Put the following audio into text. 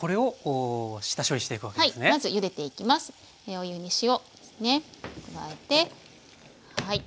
お湯に塩ですね加えてはい。